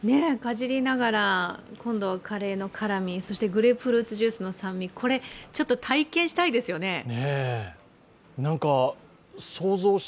かじりながら、今度はカレーの辛味、そしてグレープフルーツジュースの酸味、これ体験したいですよね。